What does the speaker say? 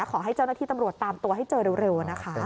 ขอให้เจ้าหน้าที่ตำรวจตามตัวให้เจอเร็วนะคะ